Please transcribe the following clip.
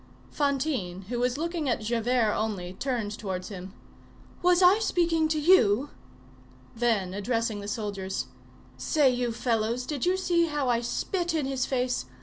Fantine, who was looking at Javert only, turned towards him:— "Was I speaking to you?" Then, addressing the soldiers:— "Say, you fellows, did you see how I spit in his face?